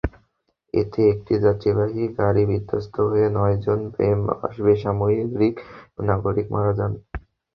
এতে একটি যাত্রীবাহী গাড়ি বিধ্বস্ত হয়ে নয়জন বেসামরিক নাগরিক মারা যান।